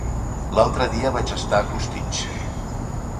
L'altre dia vaig estar a Costitx.